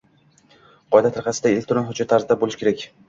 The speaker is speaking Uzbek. qoida tariqasida, elektron hujjat tarzida bo‘lishi kerak.